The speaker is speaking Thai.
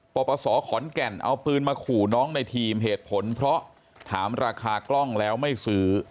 ปปศขอนแก่นเอาปืนมาขู่น้องในทีมเหตุผลเพราะถามราคากล้องแล้วไม่ซื้อ